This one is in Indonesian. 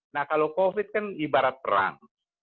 nah kalau covid sembilan belas kan ibarat perang